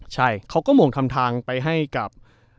ใช่เขาก็หม่งทำทางไปให้กับ